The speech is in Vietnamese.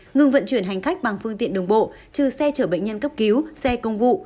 ngừng vận chuyển hành khách bằng phương tiện đường bộ trừ xe chở bệnh nhân cấp cứu xe công vụ